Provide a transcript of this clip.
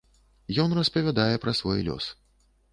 Ён распавядае, пра свой лёс.